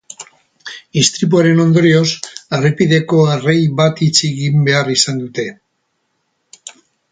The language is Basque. Istripuaren ondorioz, errepideko errei bat itxi egin behar izan dute.